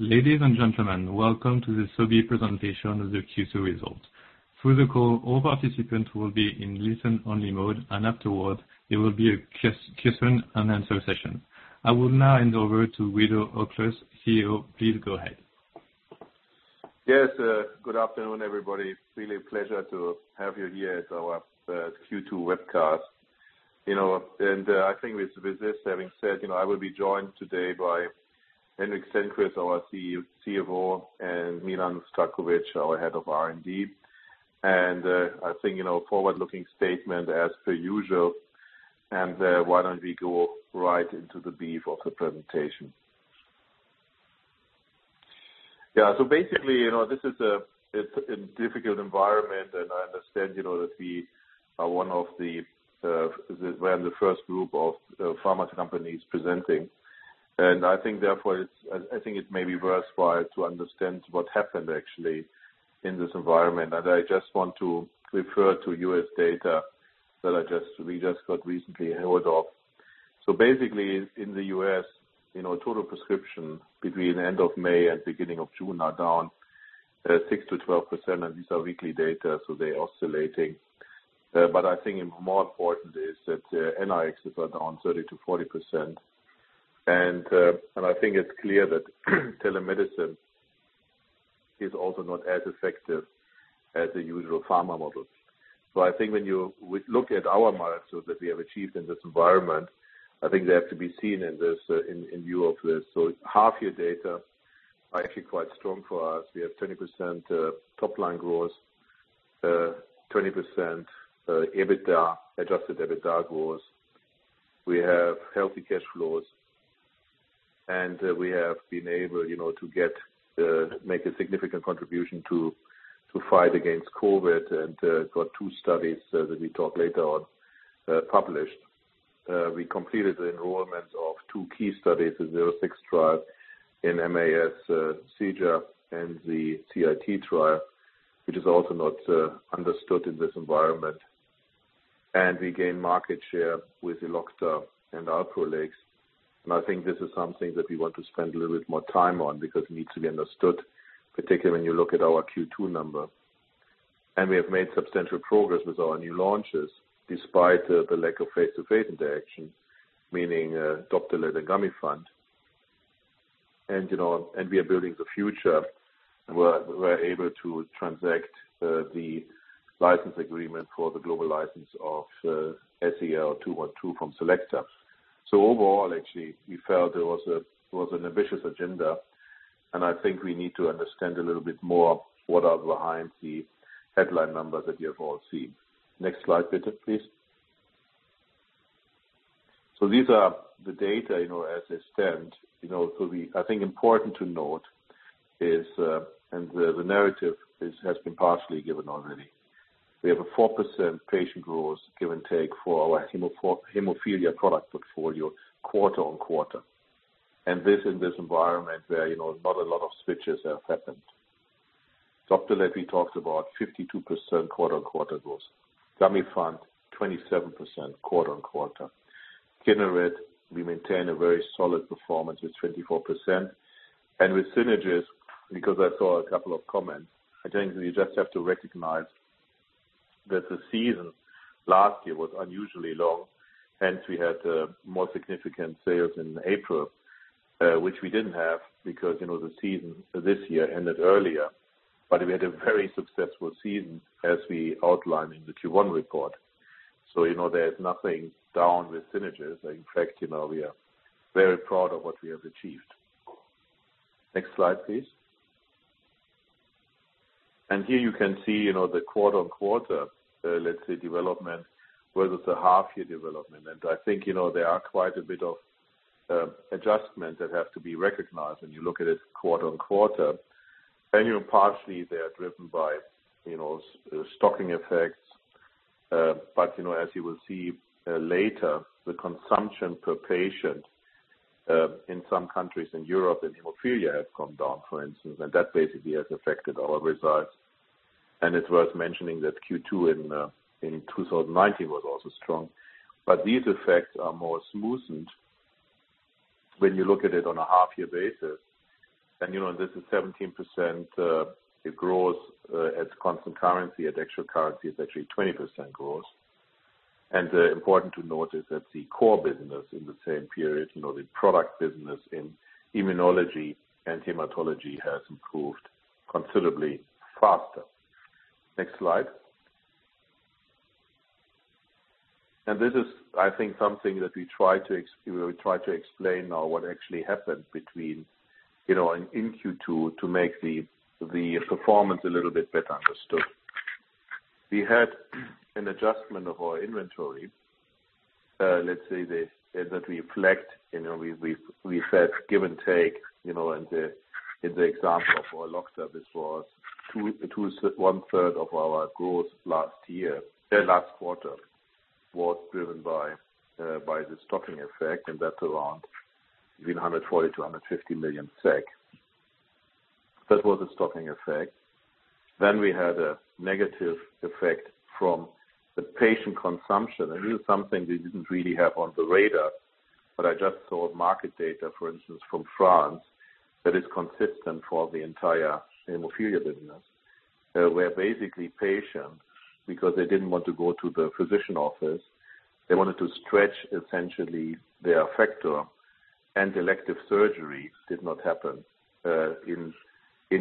Ladies and gentlemen, welcome to the SOBI presentation of the Q2 results. Through the call, all participants will be in listen-only mode, and afterward, there will be a question and answer session. I will now hand over to Guido Oelkers, CEO. Please go ahead. Yes. Good afternoon, everybody. It's really a pleasure to have you here at our Q2 webcast. With this having said, I will be joined today by Henrik Stenqvist, our CFO, and Milan Zdravkovic, our Head of R&D. I think, forward-looking statement as per usual. Why don't we go right into the beef of the presentation. Basically, this is a difficult environment, and I understand that we are one of the first group of pharma companies presenting. I think, therefore, it may be worthwhile to understand what happened actually in this environment. I just want to refer to U.S. data that we just got recently a hold of. Basically, in the U.S., total prescription between the end of May and beginning of June are down 6%-12%. These are weekly data, so they're oscillating. More important is that NRx are down 30%-40%. It's clear that telemedicine is also not as effective as the usual pharma model. When you look at our market so that we have achieved in this environment, I think they have to be seen in view of this. Half-year data are actually quite strong for us. We have 20% top-line growth, 20% EBITDA, adjusted EBITDA growth. We have healthy cash flows, and we have been able to make a significant contribution to fight against COVID and got two studies that we talk later on published. We completed the enrollment of two key studies, the 06 trial in MAS, sJIA, and the CIT trial, which is also not understood in this environment. We gain market share with Elocta and Alprolix. I think this is something that we want to spend a little bit more time on because it needs to be understood, particularly when you look at our Q2 number. We have made substantial progress with our new launches despite the lack of face-to-face interaction, meaning Doptelet and Gamifant. We are building the future. We're able to transact the license agreement for the global license of SEL-212 from Selecta. Overall, actually, we felt it was an ambitious agenda, and I think we need to understand a little bit more what are behind the headline numbers that you have all seen. Next slide, please. These are the data, as they stand. I think important to note is, and the narrative has been partially given already. We have a 4% patient growth, give and take, for our hemophilia product portfolio quarter-on-quarter. This, in this environment where not a lot of switches have happened. Dr. Leddi talks about 52% quarter on quarter growth. Gamifant, 27% quarter on quarter. Kineret, we maintain a very solid performance with 24%. With Synagis, because I saw a couple of comments, I think we just have to recognize that the season last year was unusually long, hence we had more significant sales in April, which we didn't have because the season this year ended earlier. We had a very successful season as we outlined in the Q1 report. There is nothing down with Synagis. In fact, we are very proud of what we have achieved. Next slide, please. Here you can see the quarter on quarter, let's say development, whether it's a half year development. I think there are quite a bit of adjustments that have to be recognized when you look at it quarter on quarter. Partially they are driven by stocking effects. As you will see later, the consumption per patient in some countries in Europe in hemophilia has come down, for instance, and that basically has affected our results. It's worth mentioning that Q2 in 2019 was also strong. These effects are more smoothened when you look at it on a half-year basis. This is 17% growth at constant currency. At actual currency, it's actually 20% growth. Important to note is that the core business in the same period, the product business in immunology and hematology, has improved considerably faster. Next slide. This is, I think, something that we try to explain now what actually happened between in Q2 to make the performance a little bit better understood. We had an adjustment of our inventory. Let's say that we reflect, we said give and take. In the example of our Florio service was one-third of our growth last quarter was driven by the stocking effect, that's around between 140-150 million SEK. That was a stocking effect. We had a negative effect from the patient consumption, this is something we didn't really have on the radar. I just saw market data, for instance, from France, that is consistent for the entire hemophilia business, where basically patients, because they didn't want to go to the physician office, they wanted to stretch, essentially, their factor and elective surgery did not happen in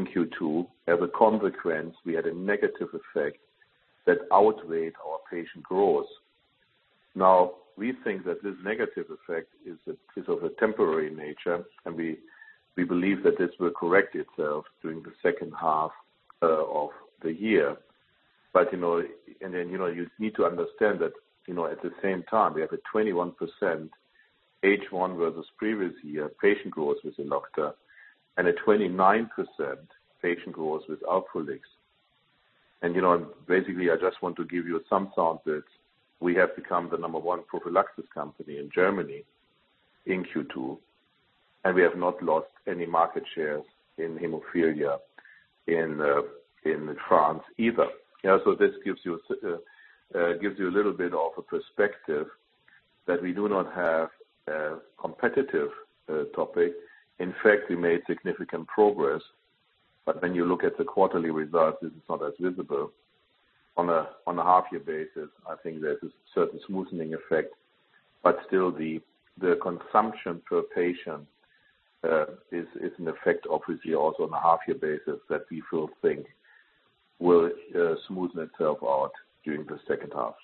Q2. As a consequence, we had a negative effect that outweighed our patient growth. We think that this negative effect is of a temporary nature, and we believe that this will correct itself during the second half of the year. You need to understand that at the same time, we have a 21% H1 versus previous year patient growth with Elocta and a 29% patient growth with Alprolix. I just want to give you some thoughts that we have become the number one prophylaxis company in Germany in Q2, and we have not lost any market share in hemophilia in France either. This gives you a little bit of a perspective that we do not have a competitive topic. We made significant progress. When you look at the quarterly results, it's not as visible. On a half-year basis, I think there's a certain smoothening effect, but still, the consumption per patient is an effect, obviously, also on a half-year basis that we think will smoothen itself out during the second half.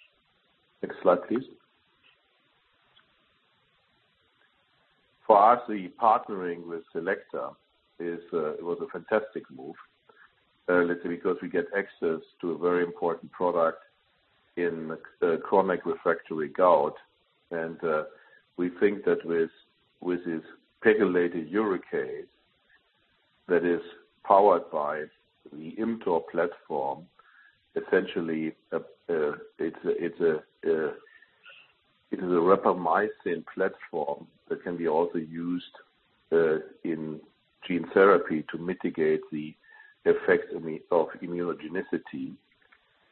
Next slide, please. For us, the partnering with Selecta, it was a fantastic move, let's say, because we get access to a very important product in chronic refractory gout. We think that with this pegylated uricase that is powered by the ImmTOR platform, essentially, it is a rapamycin platform that can be also used in gene therapy to mitigate the effects of immunogenicity.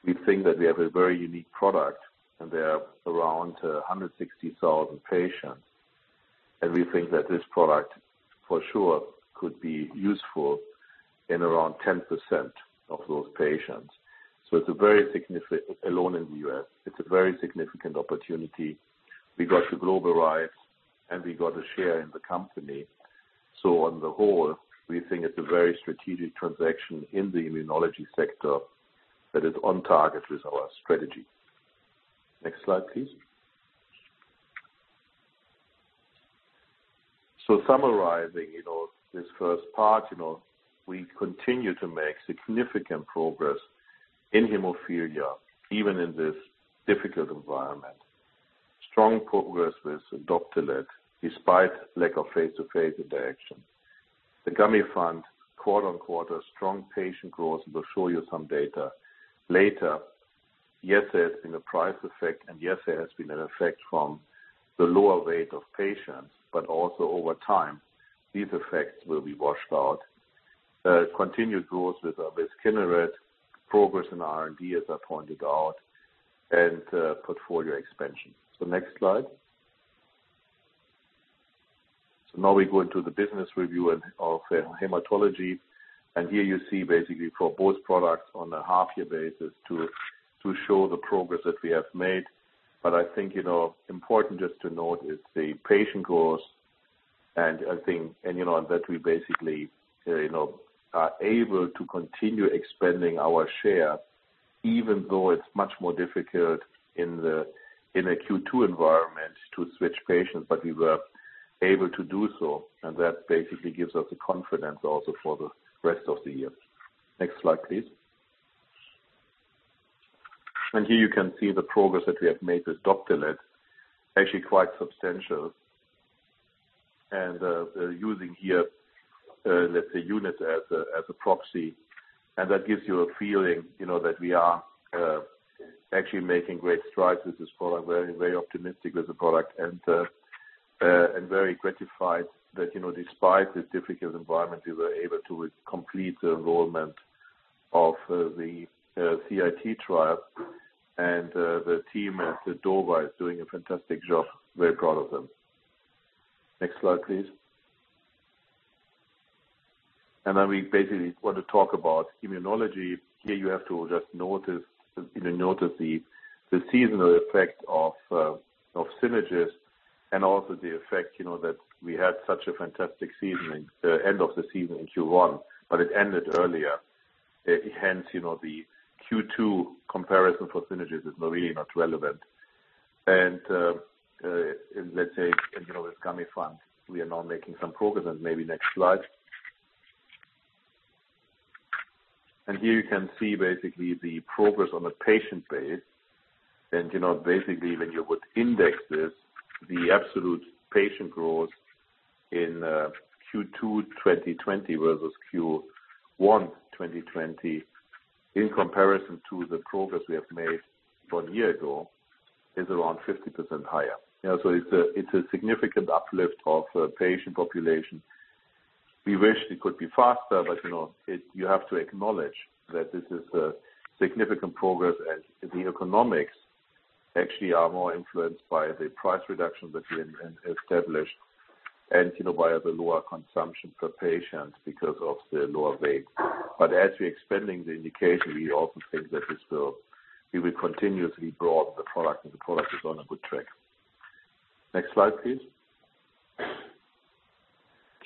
We think that we have a very unique product and there are around 160,000 patients, and we think that this product for sure could be useful in around 10% of those patients. Alone in the U.S., it's a very significant opportunity. We got the global rights and we got a share in the company. On the whole, we think it's a very strategic transaction in the immunology sector that is on target with our strategy. Next slide, please. Summarizing this first part, we continue to make significant progress in hemophilia, even in this difficult environment. Strong progress with Doptelet, despite lack of face-to-face interaction. The Gamifant quarter-on-quarter strong patient growth. We'll show you some data later. Yes, there's been a price effect, and yes, there has been an effect from the lower rate of patients, but also over time, these effects will be washed out. Continued growth with Kineret, progress in R&D, as I pointed out, and portfolio expansion. Next slide. Now we go into the business review of hematology. Here you see basically for both products on a half-year basis to show the progress that we have made. I think important just to note is the patient growth and that we basically are able to continue expanding our share, even though it's much more difficult in a Q2 environment to switch patients, but we were able to do so, and that basically gives us the confidence also for the rest of the year. Next slide, please. Here you can see the progress that we have made with Doptelet, actually quite substantial. We're using here, let's say, units as a proxy. That gives you a feeling that we are actually making great strides with this product. We're very optimistic with the product and very gratified that despite this difficult environment, we were able to complete the enrollment of the CIT trial. The team at the door is doing a fantastic job. Very proud of them. Next slide, please. We basically want to talk about immunology. Here you have to just notice the seasonal effect of Synagis and also the effect that we had such a fantastic end of the season in Q1, but it ended earlier. Hence, the Q2 comparison for Synagis is really not relevant. Let's say with Gamifant, we are now making some progress and maybe next slide. Here you can see basically the progress on a patient base. Basically when you would index this, the absolute patient growth in Q2 2020 versus Q1 2020 in comparison to the progress we have made one year ago is around 50% higher. It's a significant uplift of patient population. We wish it could be faster, but you have to acknowledge that this is a significant progress, and the economics actually are more influenced by the price reduction that we established and by the lower consumption per patient because of the lower weight. As we're expanding the indication, we also think that we will continuously grow the product, and the product is on a good track. Next slide, please.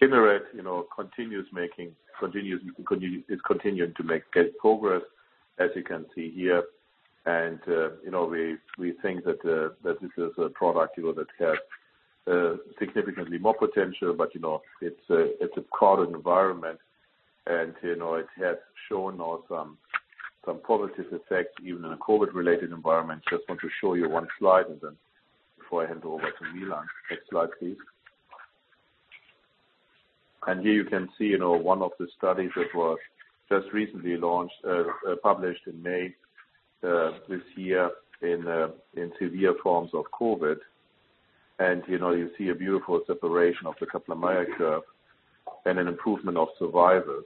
Kineret is continuing to make good progress, as you can see here. We think that this is a product that has significantly more potential, but it's a crowded environment. It has shown us some positive effects even in a COVID-related environment. Just want to show you one slide and then before I hand over to Milan. Next slide, please. Here you can see one of the studies that was just recently launched, published in May this year in severe forms of COVID. You see a beautiful separation of the Kaplan-Meier curve and an improvement of survival.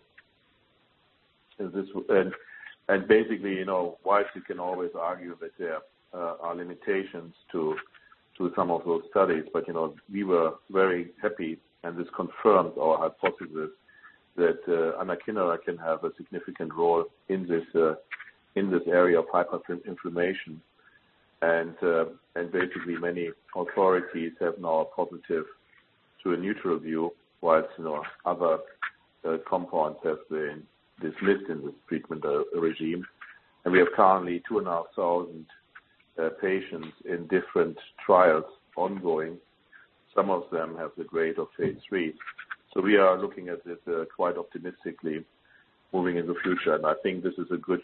Basically, whilst we can always argue that there are limitations to some of those studies, but we were very happy, and this confirmed our hypothesis that anakinra can have a significant role in this area of hyperinflammation. Basically many authorities have now a positive to a neutral view, whilst other compounds have been dismissed in the treatment regime. We have currently 2,500 patients in different trials ongoing. Some of them have the grade of phase III. We are looking at it quite optimistically moving in the future. I think this is a good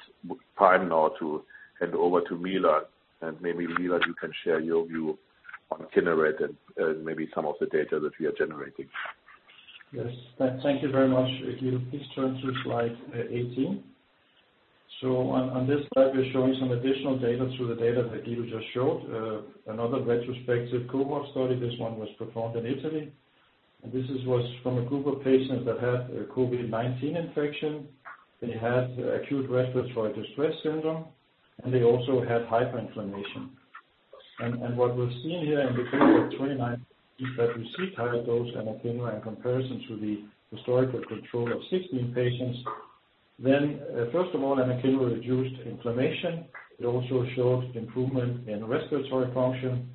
time now to hand over to Milan, and maybe, Milan, you can share your view on Kineret and maybe some of the data that we are generating. Yes. Thank you very much, Guido. Please turn to slide 18. On this slide, we're showing some additional data to the data that Guido just showed. Another retrospective cohort study. This one was performed in Italy. This was from a group of patients that had a COVID-19 infection. They had acute respiratory distress syndrome, and they also had hyperinflammation. What we're seeing here in the patients with 29 that received higher dose anakinra in comparison to the historical control of 16 patients. First of all, anakinra reduced inflammation. It also showed improvement in respiratory function.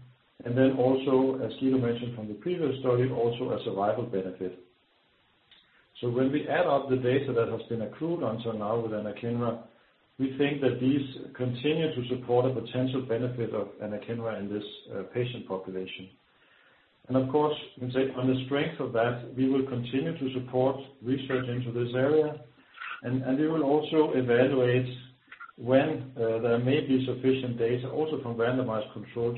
Also, as Guido mentioned from the previous study, also a survival benefit. When we add up the data that has been accrued until now with anakinra, we think that these continue to support a potential benefit of anakinra in this patient population. Of course, on the strength of that, we will continue to support research into this area. We will also evaluate when there may be sufficient data, also from randomized control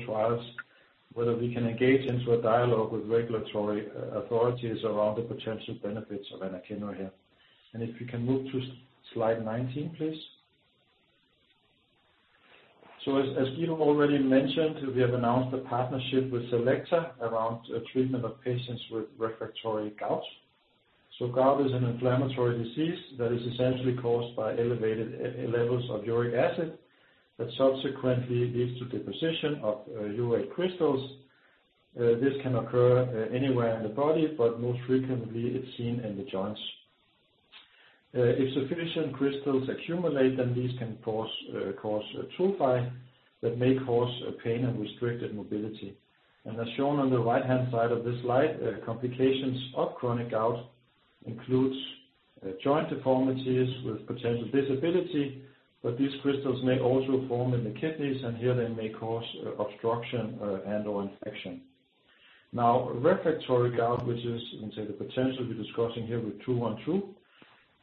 trials, whether we can engage into a dialogue with regulatory authorities around the potential benefits of anakinra here. If you can move to slide 19, please. As Guido already mentioned, we have announced a partnership with Selecta around treatment of patients with refractory gout. Gout is an inflammatory disease that is essentially caused by elevated levels of uric acid, that subsequently leads to deposition of UA crystals. This can occur anywhere in the body, but most frequently it's seen in the joints. If sufficient crystals accumulate, these can cause tophi that may cause pain and restricted mobility. As shown on the right-hand side of this slide, complications of chronic gout includes joint deformities with potential disability, but these crystals may also form in the kidneys, and here they may cause obstruction and/or infection. Refractory gout, which is the potential we're discussing here with SEL-212,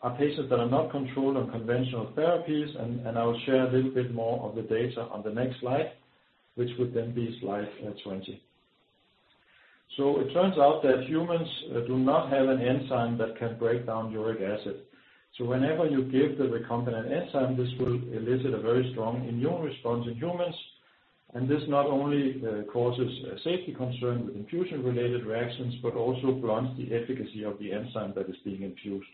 are patients that are not controlled on conventional therapies. I will share a little bit more of the data on the next slide, which would then be slide 20. It turns out that humans do not have an enzyme that can break down uric acid. Whenever you give the recombinant enzyme, this will elicit a very strong immune response in humans. This not only causes a safety concern with infusion-related reactions, but also blunts the efficacy of the enzyme that is being infused.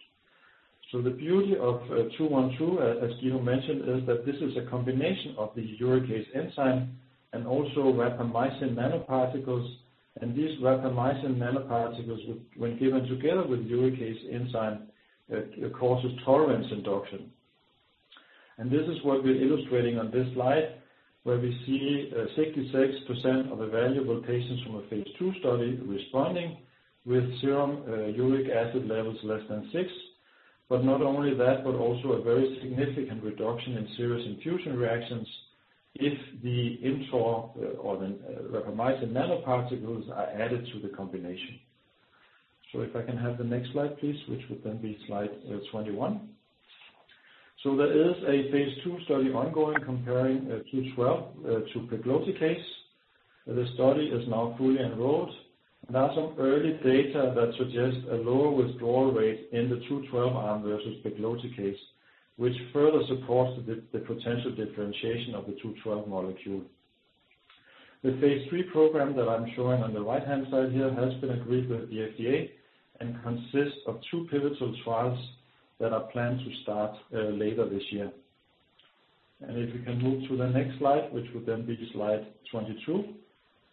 The beauty of SEL-212, as Guido mentioned, is that this is a combination of the uricase enzyme and also rapamycin nanoparticles. These rapamycin nanoparticles, when given together with uricase enzyme, causes tolerance induction. This is what we're illustrating on this slide, where we see 66% of evaluable patients from a phase II study responding with serum uric acid levels less than six. Not only that, but also a very significant reduction in serious infusion reactions if the ImmTOR or the rapamycin nanoparticles are added to the combination. If I can have the next slide, please, which would then be slide 21. There is a phase II study ongoing comparing 212 to pegloticase. The study is now fully enrolled and has some early data that suggests a lower withdrawal rate in the 212 arm versus pegloticase, which further supports the potential differentiation of the 212 molecule. The phase III program that I'm showing on the right-hand side here has been agreed with the FDA and consists of two pivotal trials that are planned to start later this year. If you can move to the next slide, which would be slide 22.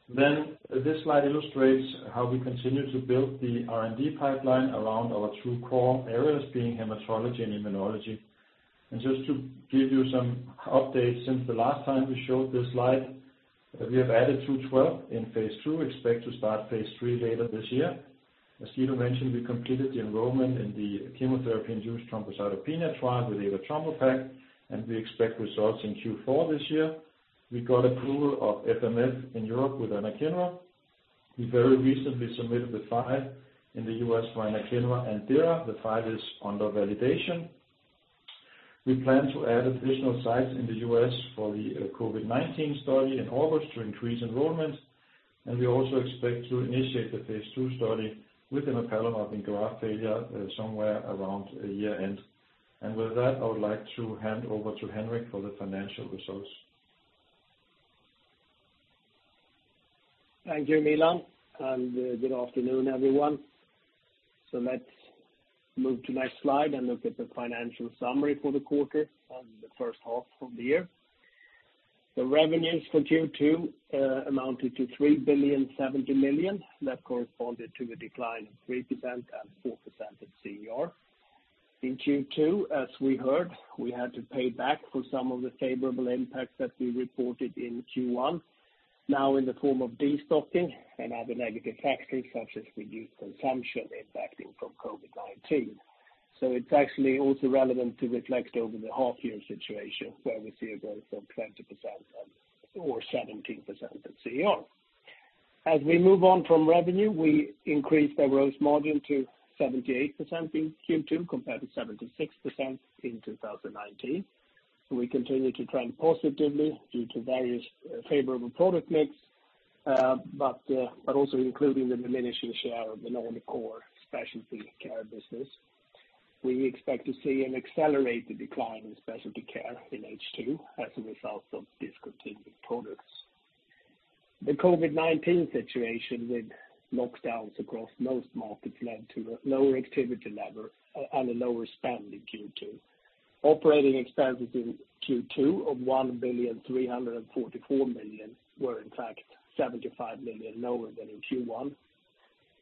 This slide illustrates how we continue to build the R&D pipeline around our true core areas being hematology and immunology. Just to give you some updates since the last time we showed this slide, we have added 212 in phase II, expect to start phase III later this year. As Guido mentioned, we completed the enrollment in the chemotherapy-induced thrombocytopenia trial with avatrombopag, and we expect results in Q4 this year. We got approval of FMF in Europe with anakinra. We very recently submitted the file in the U.S. for anakinra and DIRA. The file is under validation. We plan to add additional sites in the U.S. for the COVID-19 study in August to increase enrollment, and we also expect to initiate the phase II study with emapalumab in graft failure somewhere around year-end. With that, I would like to hand over to Henrik for the financial results. Thank you, Milan. Good afternoon, everyone. Let's move to next slide and look at the financial summary for the quarter and the first half of the year. The revenues for Q2 amounted to 3 billion 70 million. That corresponded to a decline of 3% and 4% at CER. In Q2, as we heard, we had to pay back for some of the favorable impacts that we reported in Q1 now in the form of destocking and other negative factors such as reduced consumption impacting from COVID-19. It's actually also relevant to reflect over the half year situation where we see a growth of 20% and/or 17% at CER. As we move on from revenue, we increased our gross margin to 78% in Q2 compared to 76% in 2019. We continue to trend positively due to various favorable product mix, also including the diminishing share of the non-core specialty care business. We expect to see an accelerated decline in specialty care in H2 as a result of discontinuing products. The COVID-19 situation with lockdowns across most markets led to a lower activity level and a lower spend in Q2. Operating expenses in Q2 of 1,344 million were in fact 75 million lower than in Q1.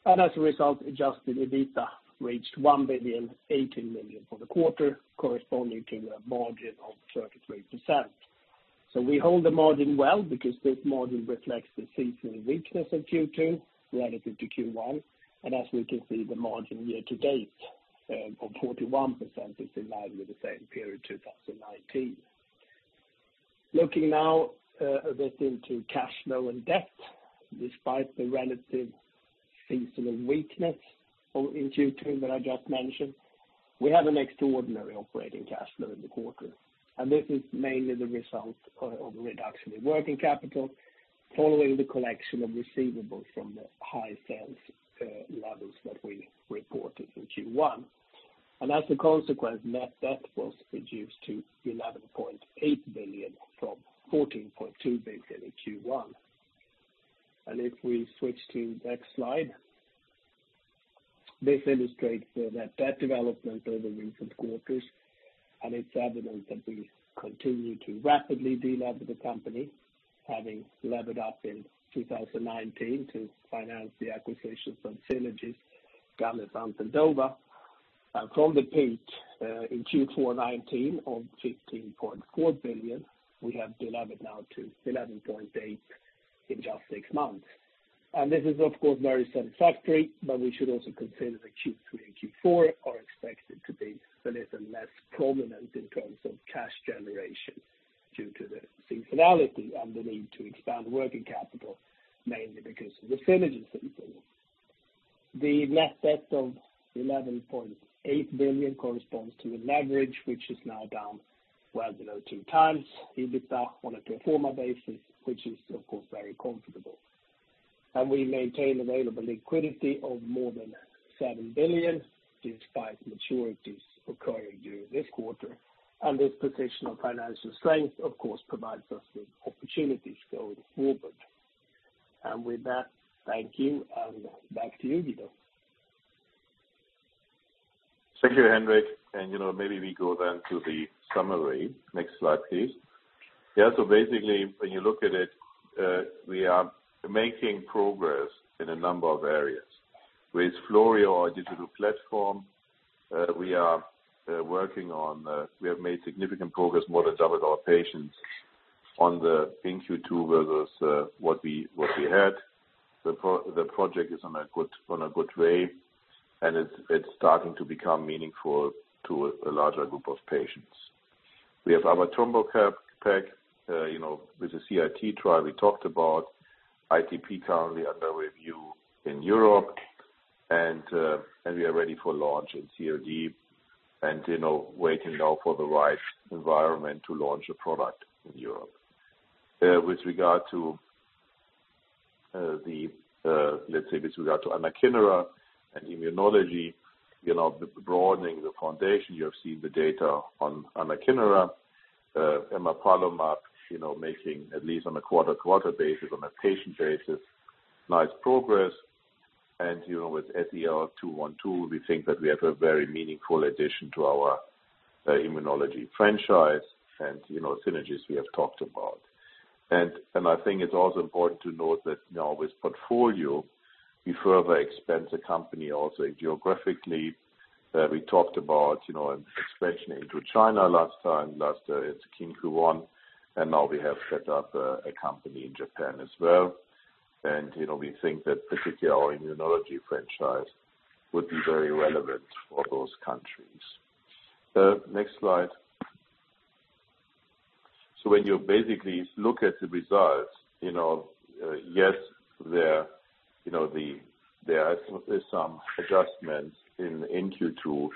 As a result, adjusted EBITDA reached 1,018 million for the quarter, corresponding to a margin of 33%. We hold the margin well because this margin reflects the seasonal weakness of Q2 relative to Q1. As we can see, the margin year-to-date of 41% is in line with the same period, 2019. Looking now a bit into cash flow and debt. Despite the relative seasonal weakness, in Q2 that I just mentioned, we have an extraordinary operating cash flow in the quarter. This is mainly the result of a reduction in working capital following the collection of receivables from the high sales levels that we reported in Q1. As a consequence, net debt was reduced to 11.8 billion from 14.2 billion in Q1. If we switch to next slide. This illustrates the net debt development over recent quarters, and it's evident that we continue to rapidly de-lever the company, having levered up in 2019 to finance the acquisitions of Synagis, Gamifant and Dova. From the peak in Q4 2019 of 15.4 billion, we have delevered now to 11.8 billion in just six months. This is, of course, very satisfactory, but we should also consider that Q3 and Q4 are expected to be a little less prominent in terms of cash generation due to the seasonality and the need to expand working capital, mainly because of the Silexys integration. The net debt of 11.8 billion corresponds to a leverage which is now down 1.02 times EBITDA on a pro forma basis, which is, of course, very comfortable. We maintain available liquidity of more than 7 billion despite maturities occurring during this quarter, and this position of financial strength, of course, provides us with opportunities going forward. With that, thank you, and back to you, Guido. Thank you, Henrik. Maybe we go then to the summary. Next slide, please. Basically, when you look at it, we are making progress in a number of areas. With Florio, our digital platform, we have made significant progress, more than doubled our patients in Q2 versus what we had. The project is on a good way, and it's starting to become meaningful to a larger group of patients. We have avatrombopag with the CIT trial we talked about. ITP currently under review in Europe. We are ready for launch in CLD and waiting now for the right environment to launch a product in Europe. With regard to anakinra and immunology, the broadening the foundation, you have seen the data on anakinra, emapalumab, making at least on a quarter-to-quarter basis, on a patient basis, nice progress. With SEL-212, we think that we have a very meaningful addition to our immunology franchise and synergies we have talked about. I think it's also important to note that now with portfolio, we further expand the company also geographically. We talked about an expansion into China last time, last, I think it's in Q1 and now we have set up a company in Japan as well. We think that particularly our immunology franchise would be very relevant for those countries. Next slide. When you basically look at the results, yes, there are some adjustments in Q2,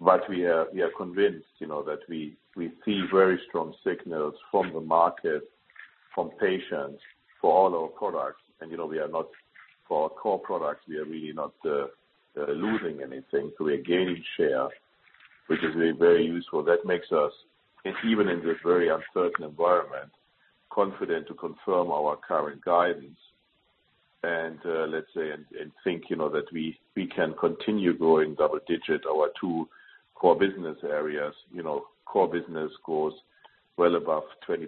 but we are convinced that we see very strong signals from the market, from patients for all our products. For our core products, we are really not losing anything. We are gaining share, which is very useful. That makes us, even in this very uncertain environment, confident to confirm our current guidance and let's say, that we can continue growing double-digit, our two core business areas. Core business grows well above 20%,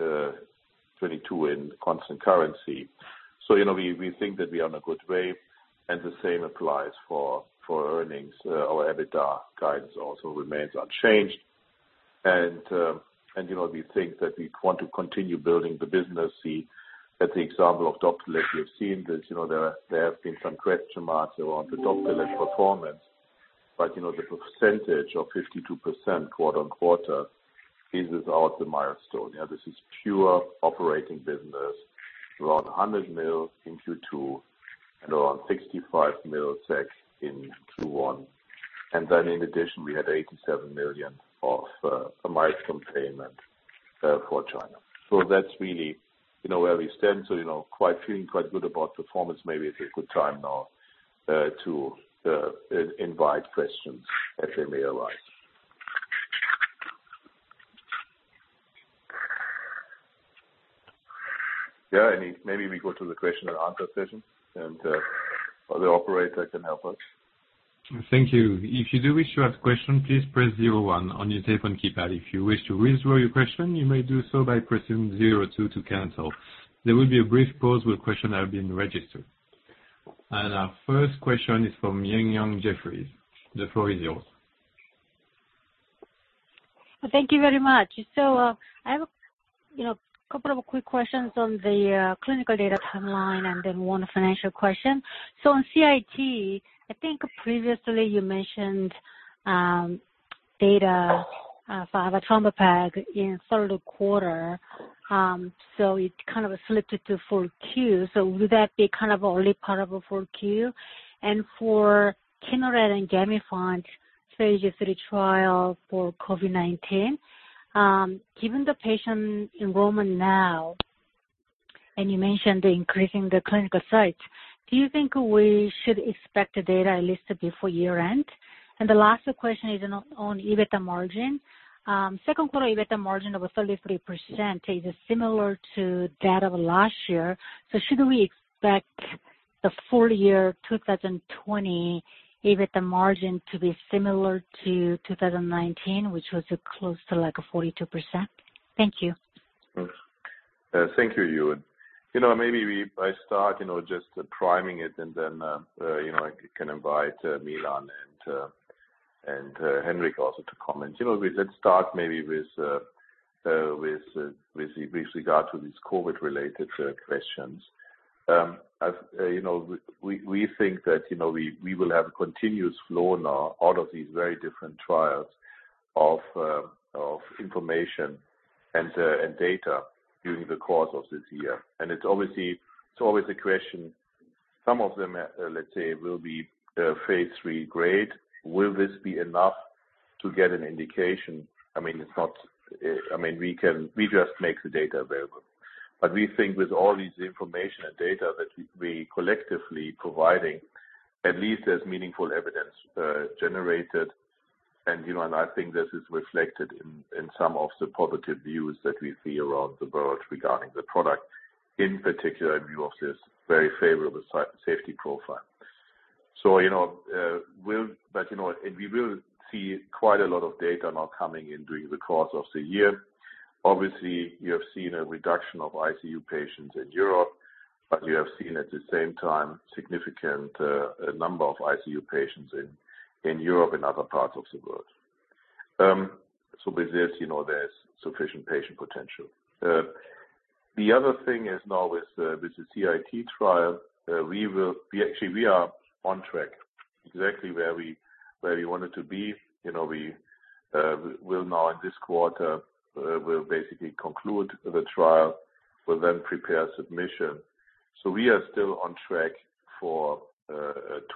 22% in constant currency. We think that we are on a good wave and the same applies for earnings. Our EBITDA guidance also remains unchanged. We think that we want to continue building the business. See at the example of Doptelet, we have seen that there have been some question marks around the Doptelet performance. The percentage of 52% quarter-on-quarter is without the milestone. This is pure operating business. Around 100 million in Q2 and around 65 million SEK, Sten, in Q1. In addition, we had 87 million of a milestone payment for China. That's really where we stand. We are feeling quite good about performance. Maybe it's a good time now to invite questions as they may arise. Yeah, maybe we go to the question and answer session and other operator can help us. Thank you. If you do wish to ask a question, please press zero one on your telephone keypad. If you wish to withdraw your question, you may do so by pressing zero two to cancel. There will be a brief pause while question have been registered. Our first question is from Eun Yang Jefferies. The floor is yours. Thank you very much. I have a couple of quick questions on the clinical data timeline, and then one financial question. On CIT, I think previously you mentioned data for avatrombopag in third quarter. It kind of slipped it to full Q. Would that be kind of only part of a Q4? For Kineret and Gamifant phase III trial for COVID-19. Given the patient enrollment now, and you mentioned increasing the clinical sites, do you think we should expect the data at least before year-end? The last question is on EBITDA margin. Second quarter EBITDA margin of 33% is similar to that of last year. Should we expect the full year 2020 EBITDA margin to be similar to 2019, which was close to like 42%? Thank you. Thank you, Eun. Maybe I start just priming it and then I can invite Milan and Henrik also to comment. Let's start maybe with regard to these COVID-related questions. It's always the question, some of them, let's say, will be phase III grade. Will this be enough to get an indication? We just make the data available. We think with all this information and data that we collectively providing, at least there's meaningful evidence generated. I think this is reflected in some of the positive views that we see around the world regarding the product, in particular in view of this very favorable safety profile. We will see quite a lot of data now coming in during the course of the year. Obviously, you have seen a reduction of ICU patients in Europe, but you have seen at the same time significant number of ICU patients in Europe and other parts of the world. With this, there's sufficient patient potential. The other thing is now with the CIT trial, actually we are on track exactly where we wanted to be. We will now, in this quarter, we'll basically conclude the trial, will then prepare submission. We are still on track for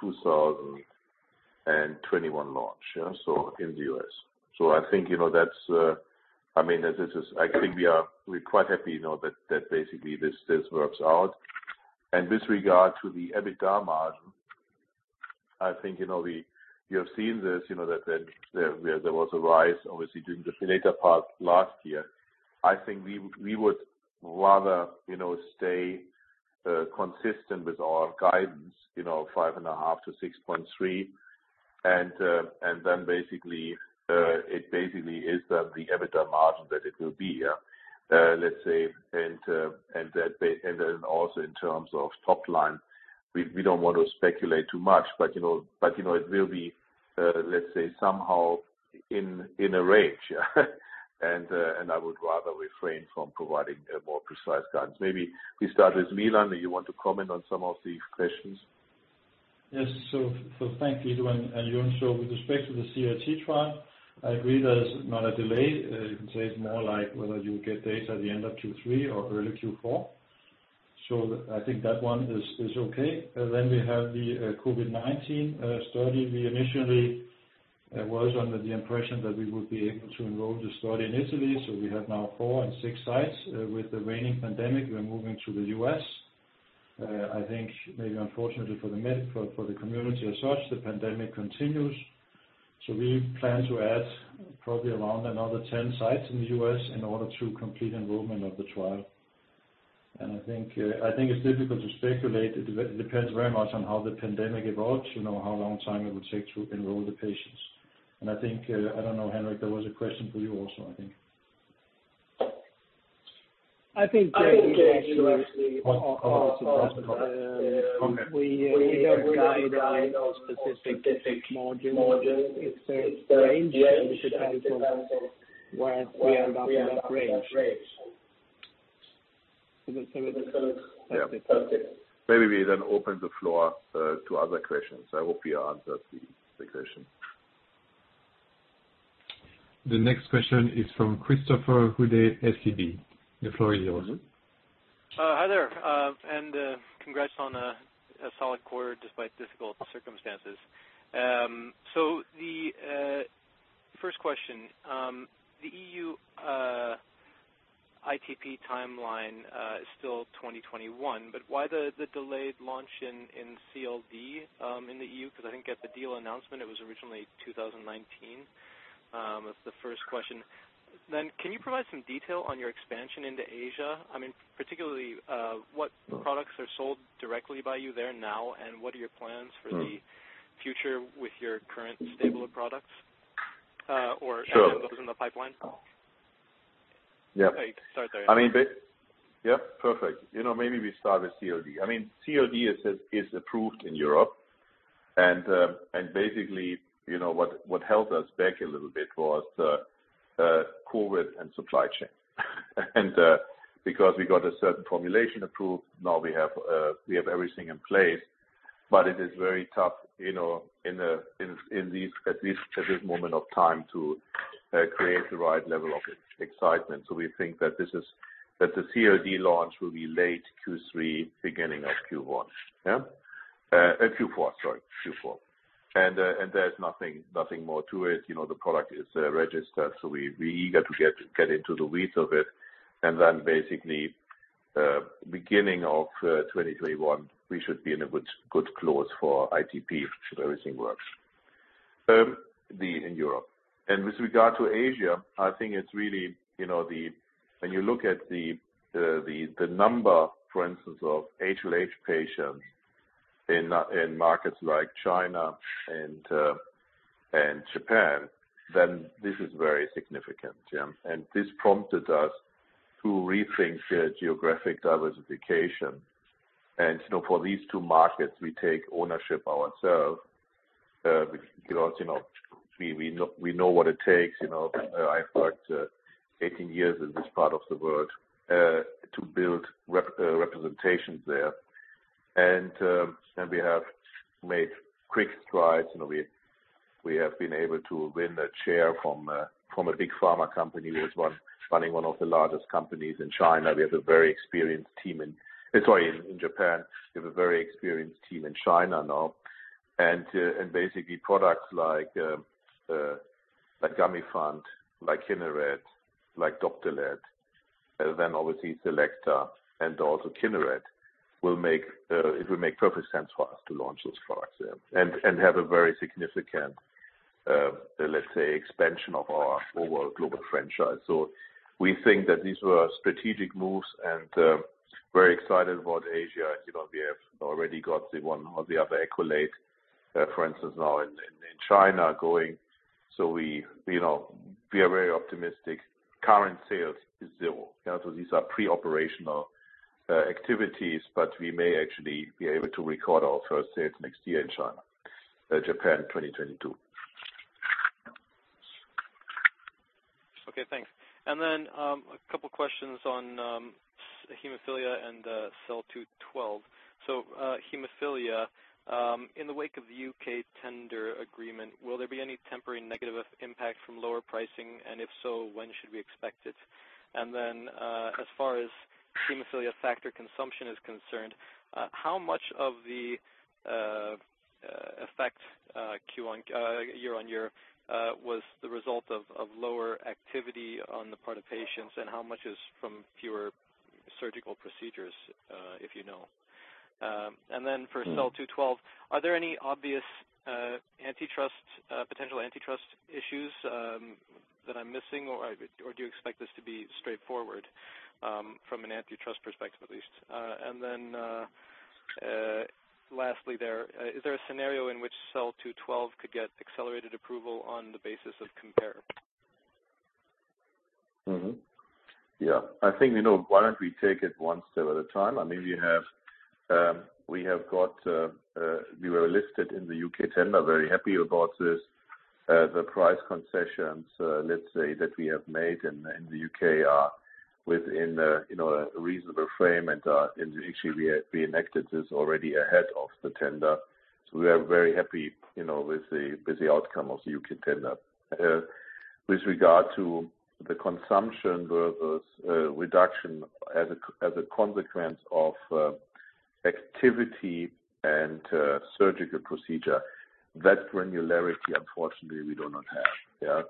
2021 launch in the U.S. I think we are quite happy now that basically this works out. With regard to the EBITDA margin, I think you have seen this, that where there was a rise, obviously, during the Elocta part last year. I think we would rather stay consistent with our guidance, five and a half%-6.3%. It basically is the EBITDA margin that it will be. Let's say, also in terms of top line, we don't want to speculate too much, but it will be, let's say, somehow in a range. I would rather refrain from providing a more precise guidance. Maybe we start with Milan. You want to comment on some of the questions? Yes. Thank you, Edwin and Eun. With respect to the CIT trial, I agree there's not a delay. You can say it's more like whether you'll get data at the end of Q3 or early Q4. I think that one is okay. We have the COVID-19 study. We initially was under the impression that we would be able to enroll the study in Italy. We have now four and six sites. With the reigning pandemic, we're moving to the U.S. I think maybe unfortunately for the community as such, the pandemic continues. We plan to add probably around another 10 sites in the U.S. in order to complete enrollment of the trial. I think it's difficult to speculate. It depends very much on how the pandemic evolves, how long time it would take to enroll the patients. I think, I don't know, Henrik, there was a question for you also, I think. I think yeah, actually. Oh, okay. We are not guiding on specific margins. It's a range and it depends on where we end up in that range. Yeah. Maybe we then open the floor to other questions. I hope you answered the question. The next question is from Christopher Uhde, SEB. The floor is yours. Hi there, congrats on a solid quarter despite difficult circumstances. The first question, the EU ITP timeline is still 2021, but why the delayed launch in CLD in the EU? I think at the deal announcement, it was originally 2019. That's the first question. Can you provide some detail on your expansion into Asia? Particularly, what products are sold directly by you there now, and what are your plans for the future with your current stable of products? Sure those in the pipeline? Yeah. Sorry. Yeah. Perfect. Maybe we start with CLD. CLD is approved in Europe and basically what held us back a little bit was COVID and supply chain. Because we got a certain formulation approved, now we have everything in place, but it is very tough at this moment of time to create the right level of excitement. We think that the CLD launch will be late Q3, beginning of Q1. Yeah. Q4, sorry. Q4. There's nothing more to it. The product is registered, so we eager to get into the weeds of it. Basically, beginning of 2021, we should be in a good close for ITP should everything works in Europe. With regard to Asia, I think when you look at the number, for instance, of HLH patients in markets like China and Japan, then this is very significant. Yeah. This prompted us to rethink geographic diversification. For these two markets, we take ownership ourselves because we know what it takes. I've worked 18 years in this part of the world to build representations there. We have made quick strides and we have been able to win a chair from a big pharma company who is running one of the largest companies in China. We have a very experienced team in Japan. We have a very experienced team in China now. Basically products like Gamifant, like Kineret, like Doptelet, then obviously Selecta and also Kineret, it will make perfect sense for us to launch those products and have a very significant, let's say, expansion of our overall global franchise. We think that these were strategic moves and very excited about Asia. We have already got one or the other accolade, for instance, now in China going. We are very optimistic. Current sales is zero. Yeah. These are pre-operational activities, but we may actually be able to record our first sales next year in China. Japan, 2022. Okay, thanks. A couple questions on hemophilia and SEL-212. Hemophilia, in the wake of the U.K. tender agreement, will there be any temporary negative impact from lower pricing? If so, when should we expect it? As far as hemophilia factor consumption is concerned, how much of the effect year-on-year was the result of lower activity on the part of patients and how much is from fewer surgical procedures, if you know? For SEL-212, are there any obvious potential antitrust issues that I'm missing, or do you expect this to be straightforward from an antitrust perspective, at least? Lastly there, is there a scenario in which SEL-212 could get accelerated approval on the basis of COMPARE? Yeah. I think, why don't we take it one step at a time? We were listed in the U.K. tender, very happy about this. The price concessions, let's say, that we have made in the U.K. are within a reasonable frame actually we enacted this already ahead of the tender. We are very happy with the outcome of the U.K. tender. With regard to the consumption versus reduction as a consequence of activity and surgical procedure, that granularity, unfortunately, we do not have. Yeah.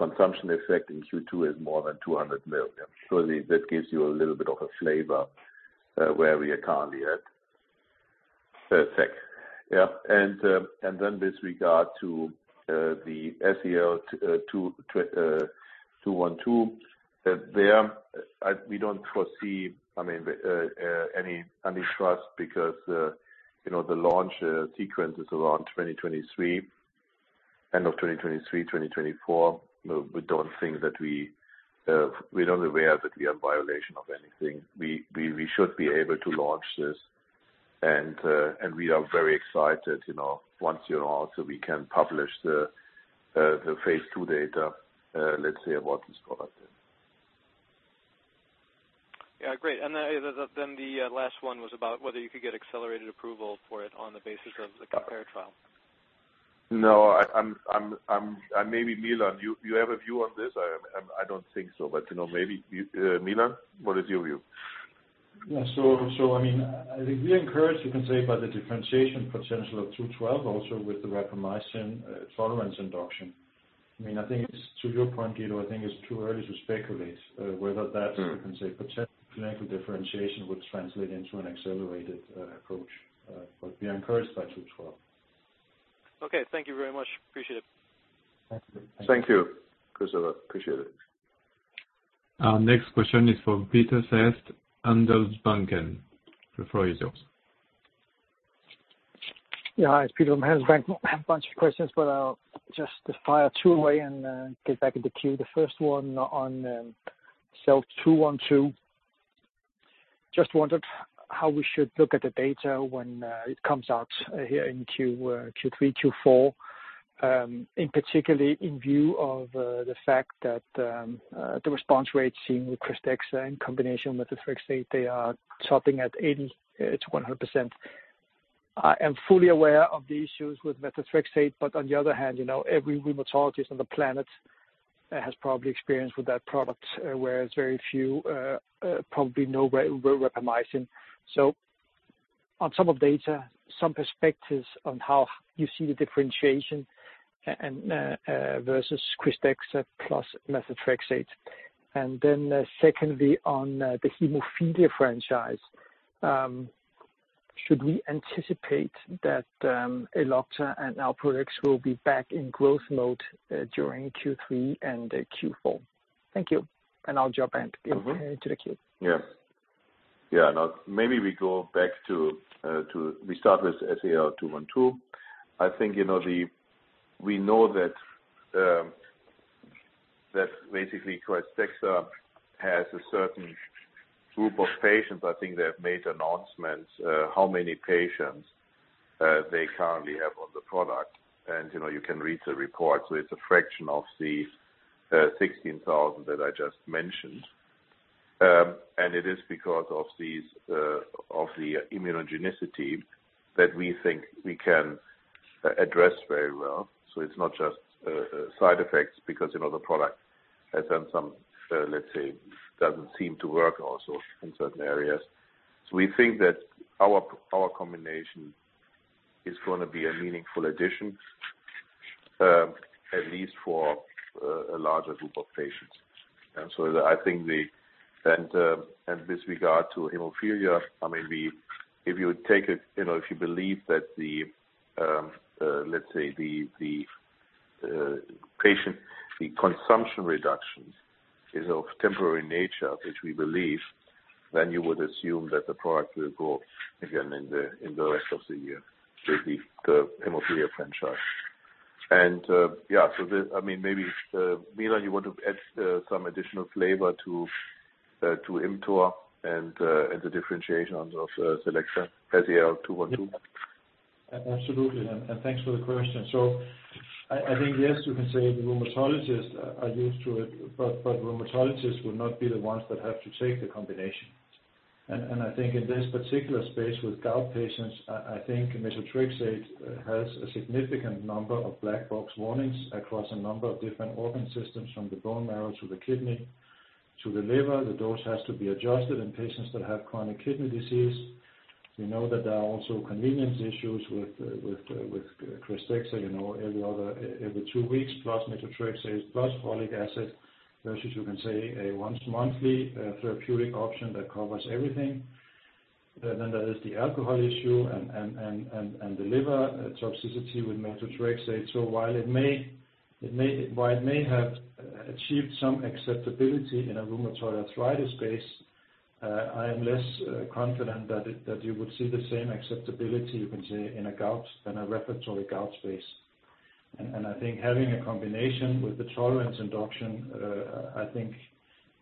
Consumption effect in Q2 is more than 200 million. Surely, that gives you a little bit of a flavor where we are currently at. Perfect. Yeah. Then with regard to the SEL-212, there, we don't foresee any antitrust because the launch sequence is around end of 2023, 2024. We're not aware that we are in violation of anything. We should be able to launch this, and we are very excited once a year also, we can publish the phase II data, let's say, of what is productive. Yeah, great. The last one was about whether you could get accelerated approval for it on the basis of the COMPARE trial. No. Maybe Milan, you have a view on this? I don't think so, but maybe. Milan, what is your view? Yeah. I think we are encouraged, you can say, by the differentiation potential of 212, also with the rapamycin tolerance induction. To your point, Guido, I think it's too early to speculate whether that, you can say, potential differentiation would translate into an accelerated approach. We are encouraged by 212. Okay. Thank you very much. Appreciate it. Thank you, Christopher. Appreciate it. Our next question is for Peter Sehested. The floor is yours. Yeah. Hi, it's Peter from Handelsbanken. Bunch of questions, but I'll just fire two away and get back in the queue. The first one on SEL-212. Just wondered how we should look at the data when it comes out here in Q3, Q4. In particular, in view of the fact that the response rates seen with KRYSTEXXA in combination with methotrexate, they are topping at 80%-100%. I am fully aware of the issues with methotrexate, but on the other hand, every rheumatologist on the planet has probably experience with that product, whereas very few, probably nobody with rapamycin. On some of data, some perspectives on how you see the differentiation versus KRYSTEXXA plus methotrexate. Secondly, on the hemophilia franchise. Should we anticipate that Elocta and Alprolix will be back in growth mode during Q3 and Q4? Thank you. I'll jump back into the queue. Yeah, maybe we start with SEL-212. We know that basically KRYSTEXXA has a certain group of patients. I think they have made announcements, how many patients they currently have on the product. You can read the report. It's a fraction of the 16,000 that I just mentioned. It is because of the immunogenicity that we think we can address very well. It's not just side effects because the product, let's say, doesn't seem to work also in certain areas. We think that our combination is going to be a meaningful addition at least for a larger group of patients. With regard to hemophilia, if you believe that, let's say, the consumption reduction is of temporary nature, which we believe, then you would assume that the product will grow again in the rest of the year, the hemophilia franchise. Yeah. maybe, Milan, you want to add some additional flavor to ImmTOR and the differentiation of Selecta's as SEL-212? Absolutely. Thanks for the question. I think, yes, we can say the rheumatologists are used to it. Rheumatologists will not be the ones that have to take the combination. I think in this particular space with gout patients, I think methotrexate has a significant number of black box warnings across a number of different organ systems, from the bone marrow to the kidney, to the liver. The dose has to be adjusted in patients that have chronic kidney disease. We know that there are also convenience issues with KRYSTEXXA. Every two weeks, plus methotrexate, plus folic acid, versus you can say a once-monthly therapeutic option that covers everything. There is the alcohol issue and the liver toxicity with methotrexate. While it may have achieved some acceptability in a rheumatoid arthritis space, I am less confident that you would see the same acceptability, you can say, in a refractory gout space. I think having a combination with the tolerance induction, I think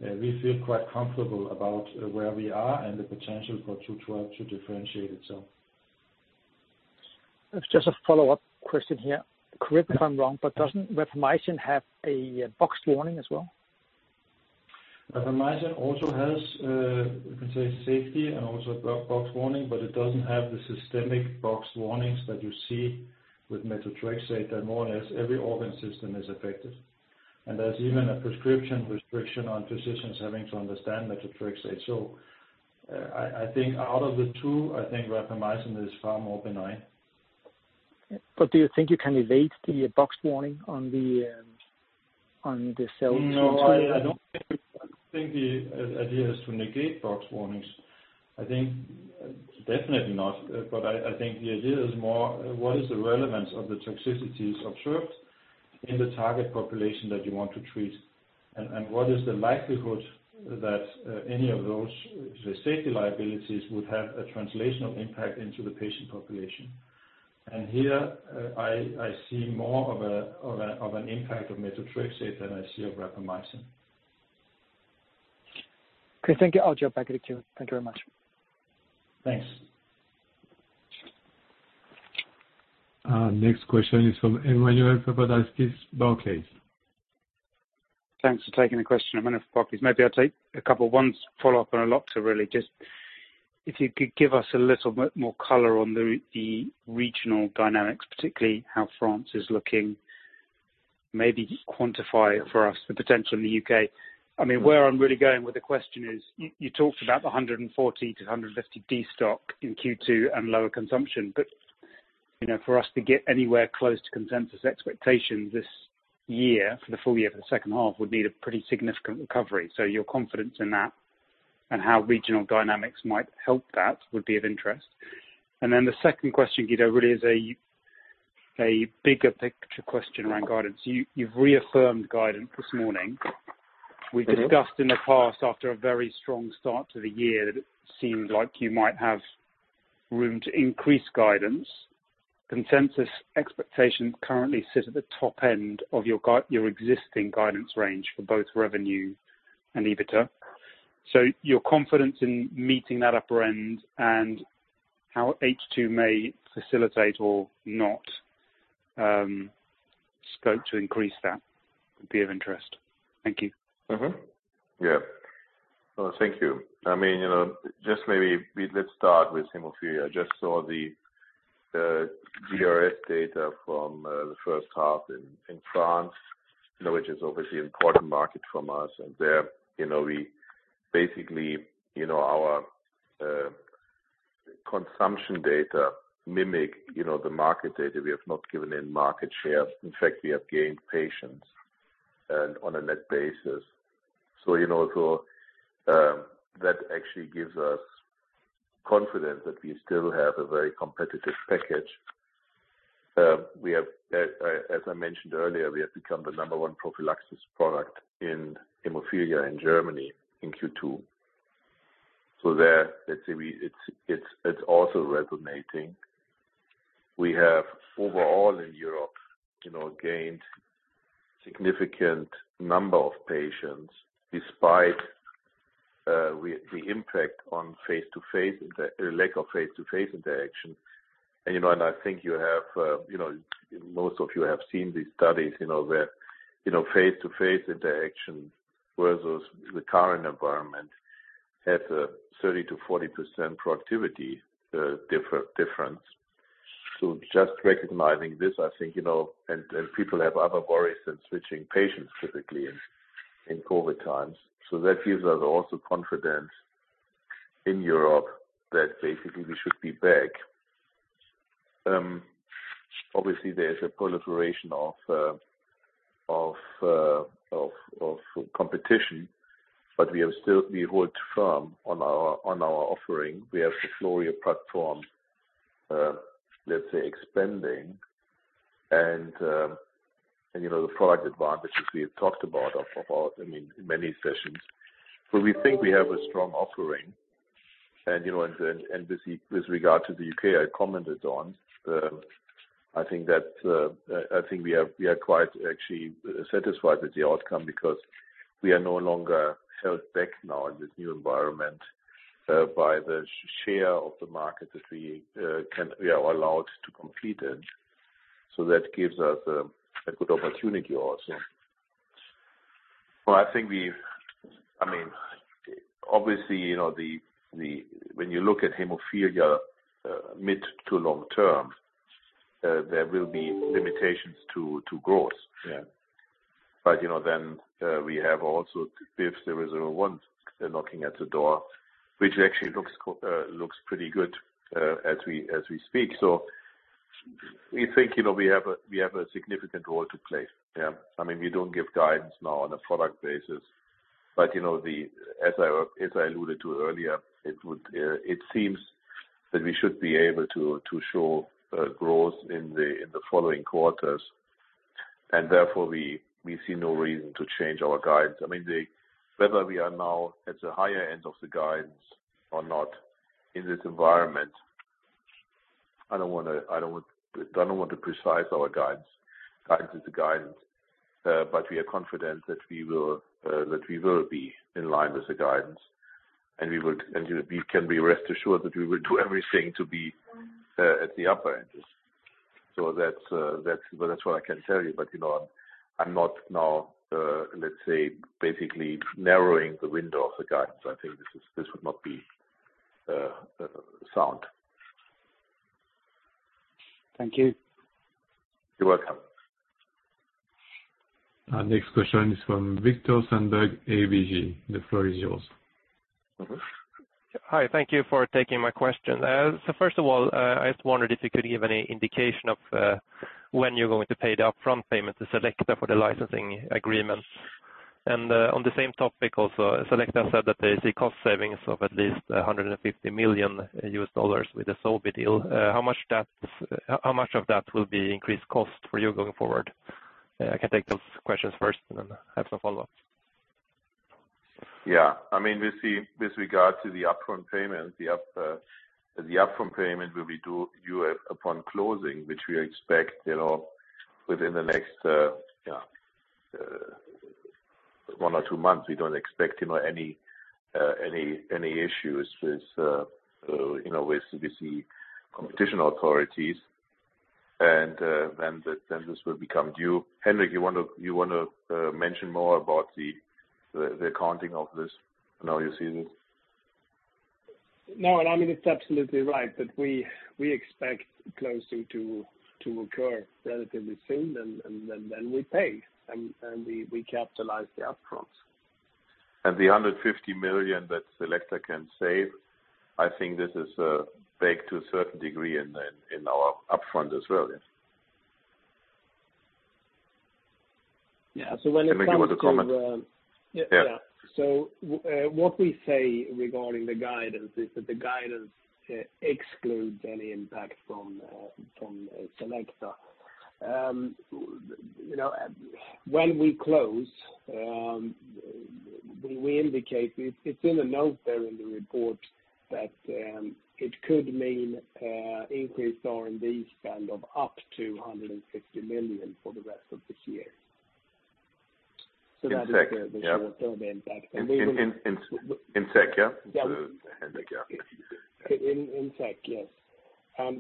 we feel quite comfortable about where we are and the potential for 212 to differentiate itself. Just a follow-up question here. Correct me if I'm wrong, but doesn't rapamycin have a boxed warning as well? rapamycin also has, you can say, safety and also a black box warning, but it doesn't have the systemic boxed warnings that you see with methotrexate, that more or less every organ system is affected. There's even a prescription restriction on physicians having to understand methotrexate. I think out of the two, I think rapamycin is far more benign. do you think you can evade the box warning on the cell- No, I don't think the idea is to negate box warnings. Definitely not. I think the idea is more, what is the relevance of the toxicities observed in the target population that you want to treat? And what is the likelihood that any of those safety liabilities would have a translational impact into the patient population? And here, I see more of an impact of methotrexate than I see of rapamycin. Okay. Thank you. I'll jump back in the queue. Thank you very much. Thanks. Next question is from Emmanuel Papadakis, Barclays. Thanks for taking the question. Emmanuel from Barclays. Maybe I'll take a couple ones, follow-up. If you could give us a little bit more color on the regional dynamics, particularly how France is looking. Maybe quantify for us the potential in the U.K. Where I'm really going with the question is, you talked about the 140-150 destock in Q2 and lower consumption. For us to get anywhere close to consensus expectations this year, for the full year, for the second half, would need a pretty significant recovery. Your confidence in that and how regional dynamics might help that would be of interest. The second question, Guido, really is a bigger picture question around guidance. You've reaffirmed guidance this morning. We've discussed in the past, after a very strong start to the year, that it seemed like you might have room to increase guidance. Consensus expectations currently sit at the top end of your existing guidance range for both revenue and EBITDA. Your confidence in meeting that upper end and how H2 may facilitate or not, scope to increase that would be of interest. Thank you. Mm-hmm. Yeah. Thank you. Just maybe let's start with hemophilia. I just saw the GRS data from the first half in France, which is obviously an important market from us. There, basically, our consumption data mimic the market data. We have not given in market share. In fact, we have gained patients and on a net basis. That actually gives us confidence that we still have a very competitive package. As I mentioned earlier, we have become the number one prophylaxis product in hemophilia in Germany in Q2. There, let's say, it's also resonating. We have, overall in Europe, gained significant number of patients despite the impact on lack of face-to-face interaction. I think most of you have seen these studies where face-to-face interaction versus the current environment has a 30%-40% productivity difference. Just recognizing this, I think, and people have other worries than switching patients typically in COVID times. That gives us also confidence in Europe that basically we should be back. Obviously, there is a proliferation of competition, but we hold firm on our offering. We have the FLORIA platform, let's say, expanding. The product advantages we have talked about in many sessions. We think we have a strong offering. With regard to the U.K., I commented on. I think we are quite actually satisfied with the outcome because we are no longer held back now in this new environment by the share of the market that we are allowed to compete in. That gives us a good opportunity also. I think obviously, when you look at hemophilia mid to long term, there will be limitations to growth. Yeah. We have also fitusiran knocking at the door, which actually looks pretty good as we speak. We think we have a significant role to play. Yeah. We don't give guidance now on a product basis, but as I alluded to earlier, it seems that we should be able to show growth in the following quarters, and therefore we see no reason to change our guidance. Whether we are now at the higher end of the guidance or not in this environment, I don't want to precise our guidance. Guidance is guidance. We are confident that we will be in line with the guidance, and you can rest assured that we will do everything to be at the upper end. That's what I can tell you. I'm not now, let's say, basically narrowing the window of the guidance. I think this would not be sound. Thank you. You're welcome. Our next question is from Viktor Sandberg, ABG. The floor is yours. Hi. Thank you for taking my question. First of all, I just wondered if you could give any indication of when you're going to pay the upfront payment to Selecta for the licensing agreement. On the same topic also, Selecta said that they see cost savings of at least $150 million with the Sobi deal. How much of that will be increased cost for you going forward? I can take those questions first, and then have some follow-ups. Yeah. With regard to the upfront payment, the upfront payment will be due upon closing, which we expect within the next one or two months. We don't expect any issues with the competition authorities. This will become due. Henrik, you want to mention more about the accounting of this, now you see this? No, it's absolutely right that we expect closing to occur relatively soon, and then we pay, and we capitalize the upfront. The 150 million that Selecta can save, I think this is baked to a certain degree in our upfront as well. Yeah. So when it comes to- Henrik, you want to comment? Yeah. What we say regarding the guidance is that the guidance excludes any impact from Selecta. When we close, we indicate, it's in a note there in the report that it could mean increased R&D spend of up to 160 million for the rest of this year. In SEK, yeah. short-term impact. We will- In SEK, yeah. Yeah. Henrik, yeah. In SEK, yes.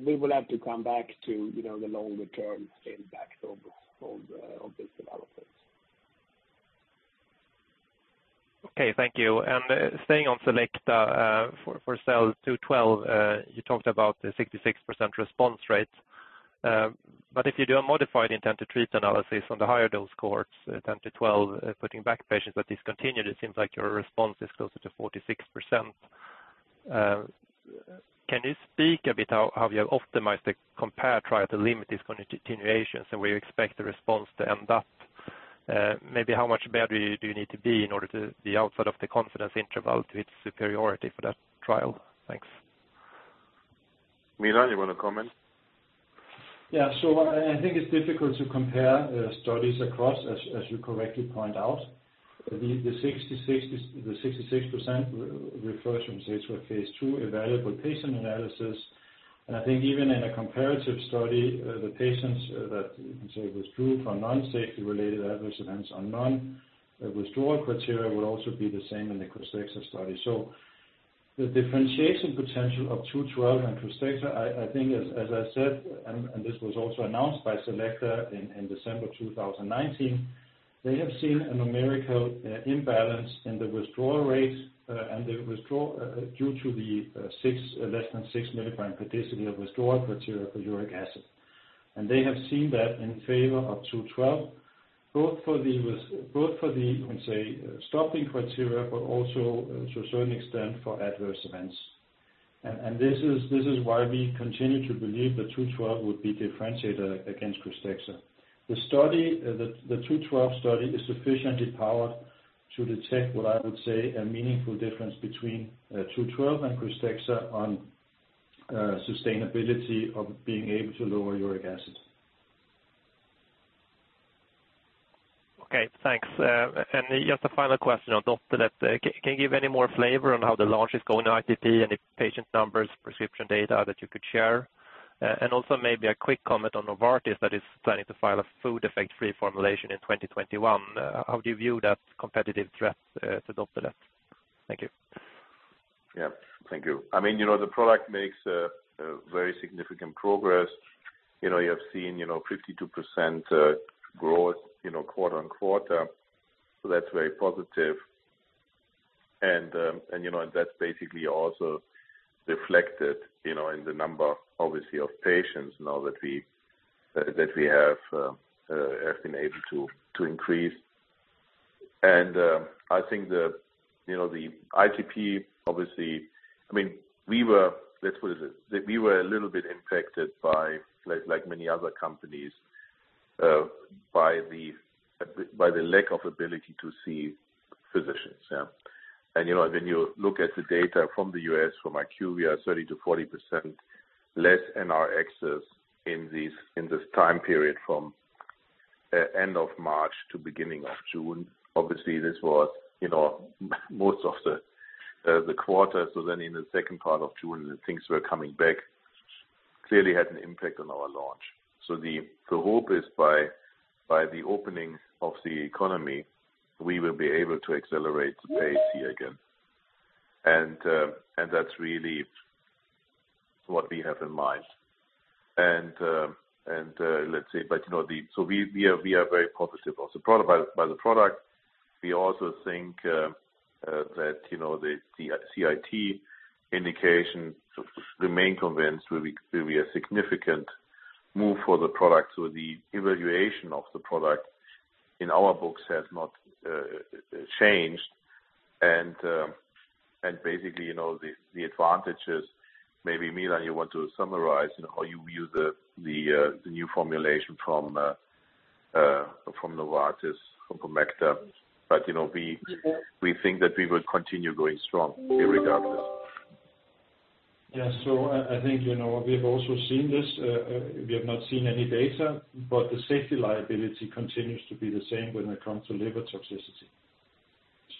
We will have to come back to the longer-term impact of this development. Okay, thank you. Staying on Selecta for SEL-212, you talked about the 66% response rate. If you do a modified intent to treat analysis on the higher dose cohorts, 10-12, putting back patients that discontinued, it seems like your response is closer to 46%. Can you speak a bit how you have optimized the COMPARE trial to limit discontinuation? Where you expect the response to end up? Maybe how much better you need to be in order to be outside of the confidence interval to its superiority for that trial? Thanks. Milan, you want to comment? I think it's difficult to compare studies across, as you correctly point out. The 66% refers from, say, sort of phase II evaluable patient analysis. I think even in a comparative study, the patients that you can say withdrew for non-safety-related adverse events or non-withdrawal criteria would also be the same in the KRYSTEXXA study. The differentiation potential of 212 and KRYSTEXXA, I think, as I said, and this was also announced by Selecta in December 2019, they have seen a numerical imbalance in the withdrawal rates due to the less than six milligram criteria of withdrawal criteria for uric acid. They have seen that in favor of 212, both for the, you can say, stopping criteria, but also to a certain extent for adverse events. This is why we continue to believe that 212 would be differentiated against KRYSTEXXA. The 212 study is sufficiently powered to detect what I would say a meaningful difference between 212 and KRYSTEXXA on sustainability of being able to lower uric acid. Okay, thanks. Just a final question on Doptelet. Can you give any more flavor on how the launch is going on ITP, any patient numbers, prescription data that you could share? Also maybe a quick comment on Novartis that is planning to file a food effect reformulations in 2021. How do you view that competitive threat to Doptelet? Thank you. Yeah, thank you. The product makes very significant progress. You have seen 52% growth quarter-on-quarter. That's very positive. That's basically also reflected in the number, obviously, of patients now that we have been able to increase. I think the ITP, obviously, we were a little bit impacted, like many other companies, by the lack of ability to see physicians. Yeah. When you look at the data from the U.S., from IQVIA, 30%-40% less NRxs in this time period from end of March to beginning of June. This was most of the quarter. In the second part of June, things were coming back, clearly had an impact on our launch. The hope is by the opening of the economy, we will be able to accelerate the pace here again. That's really what we have in mind. Let's say, we are very positive by the product. We also think that the CIT indication remain convinced will be a significant move for the product. The evaluation of the product in our books has not changed. Basically, the advantages, maybe Milan, you want to summarize how you view the new formulation from Novartis, from Promacta. We think that we will continue going strong irregardless. Yeah. I think, we have also seen this. We have not seen any data, the safety liability continues to be the same when it comes to liver toxicity.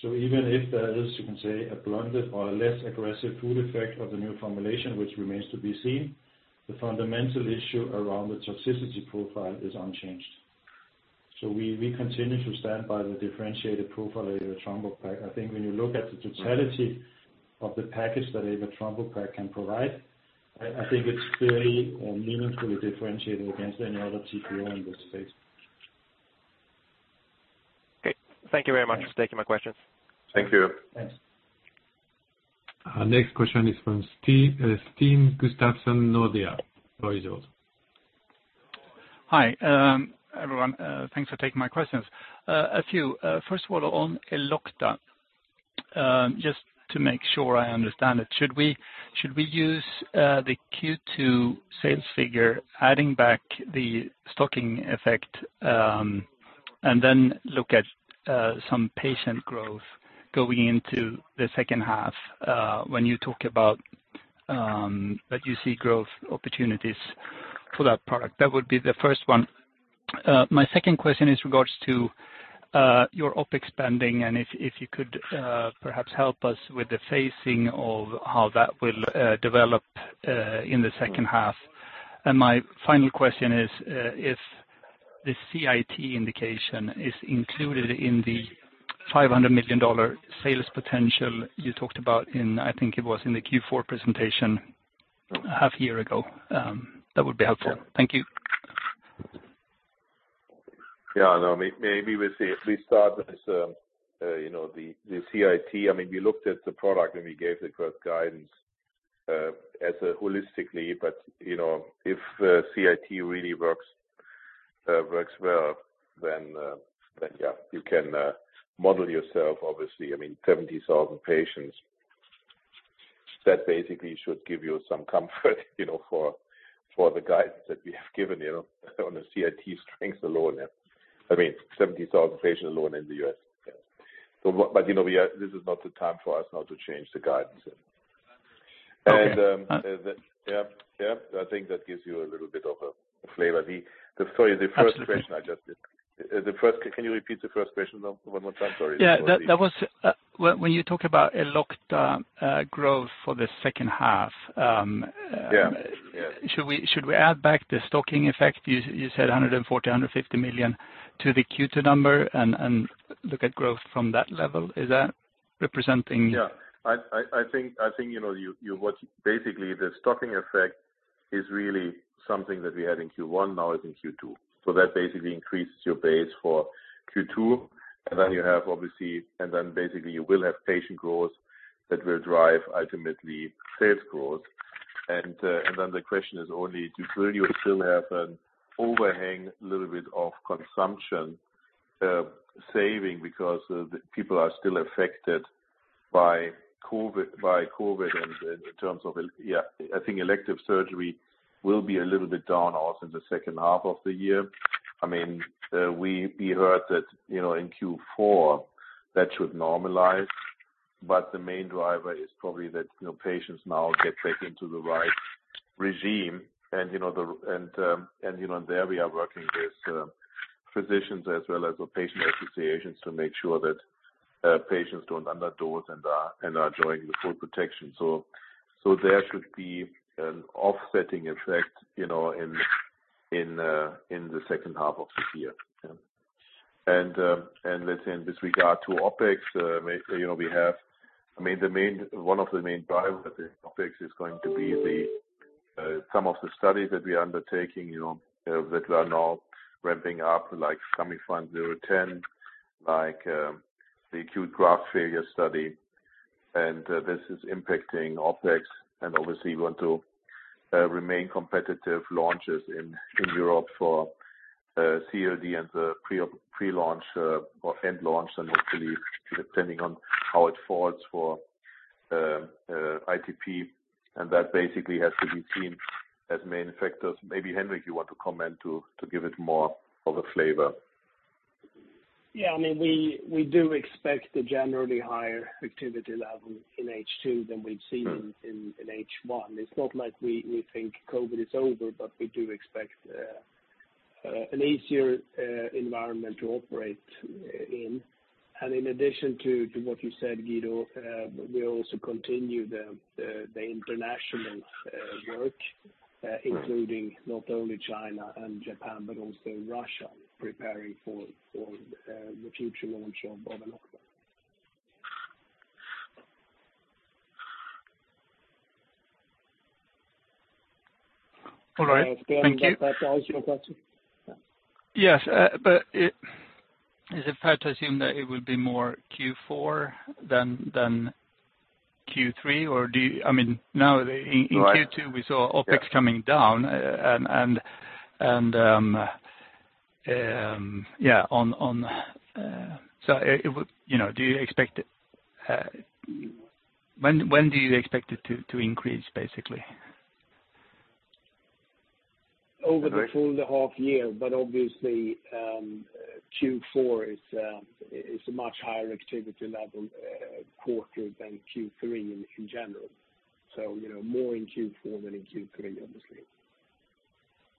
Even if there is, you can say, a blunted or a less aggressive food effect of the new formulation, which remains to be seen, the fundamental issue around the toxicity profile is unchanged. We continue to stand by the differentiated profile of avatrombopag. I think when you look at the totality of the package that avatrombopag can provide, I think it's very meaningfully differentiated against any other TPO in this space. Okay. Thank you very much for taking my questions. Thank you. Thanks. Our next question is from Sten Gustafsson, Nordea. Over to you. Hi, everyone. Thanks for taking my questions. A few. First of all, on Elocta, just to make sure I understand it. Should we use the Q2 sales figure, adding back the stocking effect, and then look at some patient growth going into the second half when you talk about that you see growth opportunities for that product? That would be the first one. My second question is regards to your OpEx spending, if you could perhaps help us with the phasing of how that will develop in the second half. My final question is if the CIT indication is included in the SEK 500 million sales potential you talked about in, I think it was in the Q4 presentation half year ago. That would be helpful. Thank you. Maybe we'll see if we start with the CIT. We looked at the product, and we gave the growth guidance as holistically. If CIT really works well, you can model yourself, obviously, 70,000 patients. That basically should give you some comfort for the guidance that we have given on the CIT strength alone. 70,000 patients alone in the U.S. This is not the time for us now to change the guidance. Okay. Yeah. I think that gives you a little bit of a flavor. Sorry, the first question. Can you repeat the first question one more time? Sorry. Yeah. That was when you talk about Elocta growth for the second half. Yeah Should we add back the stocking effect, you said 140 million, 150 million to the Q2 number and look at growth from that level? Is that representing? Yeah. I think, basically, the stocking effect is really something that we had in Q1, now it's in Q2. That basically increases your base for Q2, and then you have, obviously, and then basically you will have patient growth that will drive ultimately sales growth. The question is only do you still have an overhang a little bit of consumption saving because people are still affected by COVID in terms of Yeah, I think elective surgery will be a little bit down also in the second half of the year. We heard that in Q4 that should normalize. The main driver is probably that patients now get straight into the right regime. There we are working with physicians as well as with patient associations to make sure that patients don't underdose and are enjoying the full protection. There should be an offsetting effect in the second half of this year. Yeah. Let's say, in this regard to OpEx, one of the main drivers of the OpEx is going to be some of the studies that we are undertaking that we are now ramping up, like CEMI 010, like the acute graft failure study. This is impacting OpEx, and obviously we want to remain competitive launches in Europe for CLD and the pre-launch or end launch and hopefully, depending on how it falls for ITP. That basically has to be seen as main factors. Maybe, Henrik, you want to comment to give it more of a flavor? Yeah. We do expect a generally higher activity level in H2 than we've seen in H1. It's not like we think COVID is over, but we do expect an easier environment to operate in. In addition to what you said, Guido, we also continue the international work, including not only China and Japan, but also Russia, preparing for the future launch of [Doptelet]. All right. Thank you. Sten, does that answer your question? Yes. Is it fair to assume that it will be more Q4 than Q3? In Q2 we saw OpEx coming down. When do you expect it to increase, basically? Over the full half year, obviously, Q4 is a much higher activity level quarter than Q3 in general. More in Q4 than in Q3, obviously.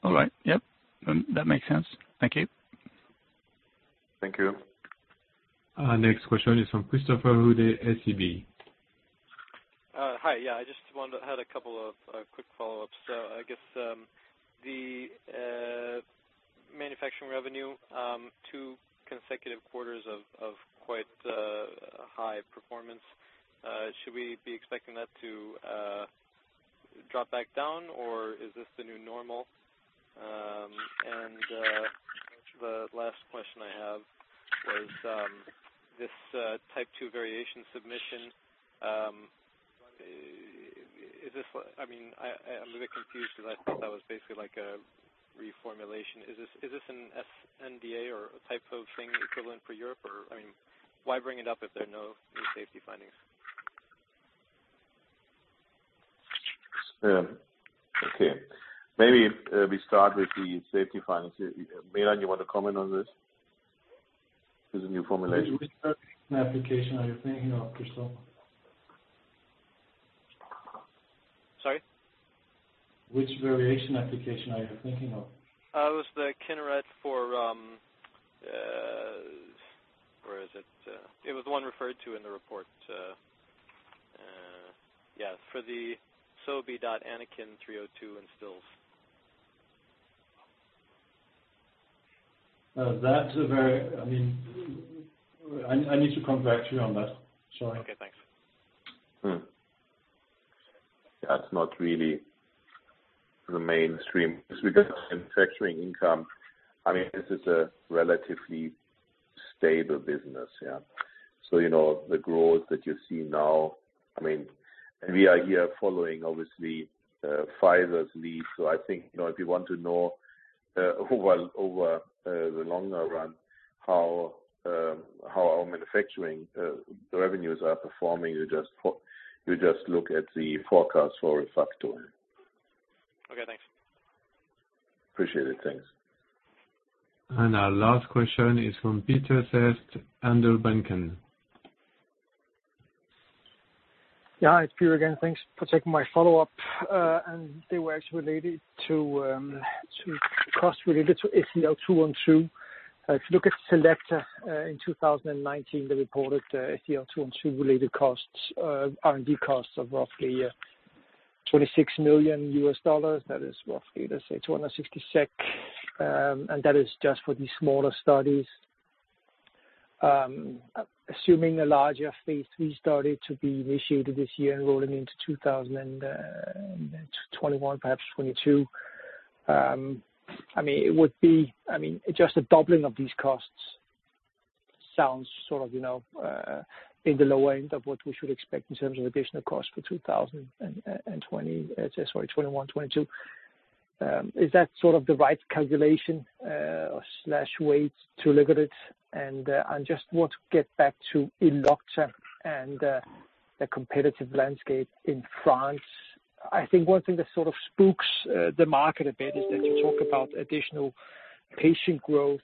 All right. Yep. That makes sense. Thank you. Thank you. Next question is from Christopher Uhde, SEB. Hi. I just had a couple of quick follow-ups. I guess the manufacturing revenue, two consecutive quarters of quite high performance. Should we be expecting that to drop back down, or is this the new normal? The last question I have was, this type 2 variation submission. I'm a bit confused because I thought that was basically a reformulation. Is this an sNDA or a type of thing equivalent for Europe? Why bring it up if there are no new safety findings? Okay. Maybe we start with the safety findings. Milan, you want to comment on this? This is a new formulation. Which variation application are you thinking of, Christopher? Sorry? Which variation application are you thinking of? It was the one referred to in the report. Yeah, for the Sobi.ANAKIN-301 in Still's disease. I need to come back to you on that. Sorry. Okay, thanks. That's not really the mainstream, because manufacturing income, this is a relatively stable business. Yeah. The growth that you see now, we are here following, obviously, Pfizer's lead. I think if you want to know over the longer run how our manufacturing revenues are performing, you just look at the forecast for ReFacto. Okay, thanks. Appreciate it. Thanks. Our last question is from Peter Wessman, Handelsbanken. Yeah, it's Peter again. Thanks for taking my follow-up. They were actually related to cost related to SEL-212. If you look at Selecta in 2019, they reported SEL-212-related R&D costs of roughly $26 million U.S. That is roughly, let's say, 266 SEK. That is just for the smaller studies. Assuming a larger phase III study to be initiated this year, enrolling into 2021, perhaps 2022. Just a doubling of these costs sounds sort of in the lower end of what we should expect in terms of additional cost for 2020. Sorry, 2021, 2022. Is that sort of the right calculation/way to look at it? I just want to get back to Elocta and the competitive landscape in France. I think one thing that sort of spooks the market a bit is that you talk about additional patient growth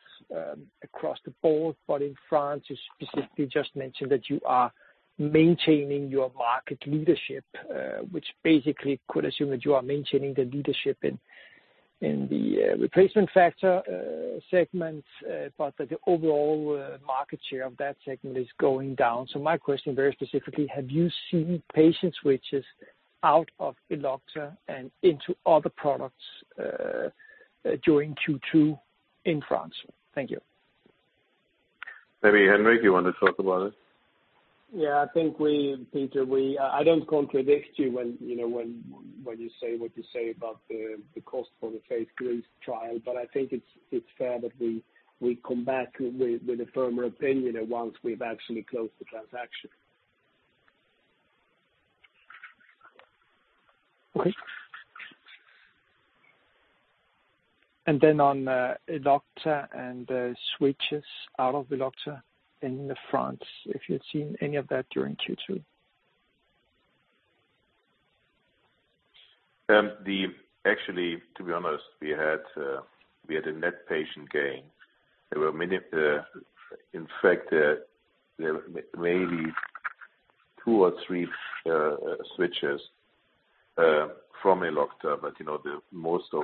across the board, but in France, you specifically just mentioned that you are maintaining your market leadership, which basically could assume that you are maintaining the leadership in the replacement factor segment, but that the overall market share of that segment is going down. My question very specifically, have you seen patients switches out of Elocta and into other products during Q2 in France? Thank you. Maybe, Henrik, you want to talk about it? Yeah. I think, Peter, I don't contradict you when you say what you say about the cost for the phase III trial, but I think it's fair that we come back with a firmer opinion once we've actually closed the transaction. Okay. Then on Elocta and switches out of Elocta in France, if you'd seen any of that during Q2. Actually, to be honest, we had a net patient gain. There were, in fact, maybe two or three switches from Elocta, but most of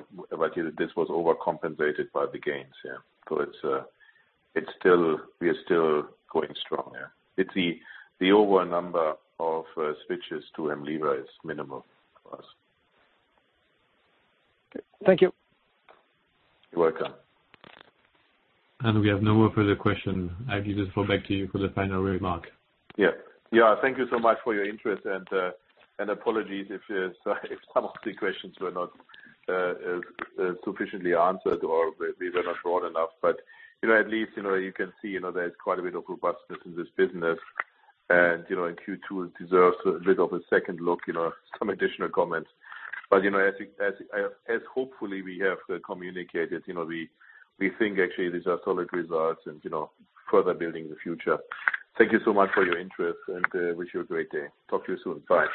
this was overcompensated by the gains, yeah. We are still going strong, yeah. The overall number of switches to Hemlibra is minimal for us. Thank you. You're welcome. We have no further question. I give the floor back to you for the final remark. Yeah. Thank you so much for your interest. Apologies if some of the questions were not sufficiently answered or they were not broad enough. At least you can see there's quite a bit of robustness in this business. Q2 deserves a bit of a second look, some additional comments. As hopefully we have communicated, we think actually these are solid results and further building the future. Thank you so much for your interest. Wish you a great day. Talk to you soon. Bye.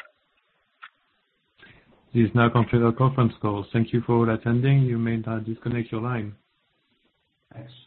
This now conclude our conference call. Thank you for attending. You may now disconnect your line. Thanks.